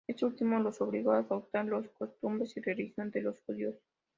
Este último los obligó a adoptar las costumbres y religión de los judíos.